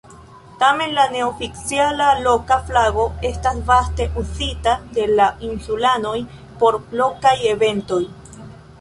Tamen, la neoficiala loka flago estas vaste uzita de la insulanoj por lokaj eventoj.